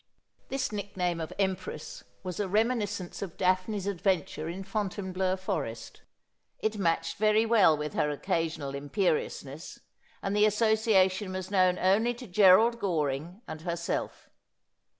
This nickname of Empress was a reminiscence of Daphne's adventure in Fontainebleau Forest. It matched very well with her occasional imperiousness, and the association was known only to Gerald Goring and herself.